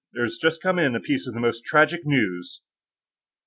There has just come in a piece of the most tragic news...."